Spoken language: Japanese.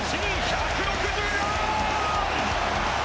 １６４！